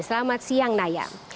selamat siang naya